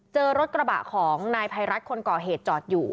เจอรถกระบะของนายภัยรัฐคนก่อเหตุจอดอยู่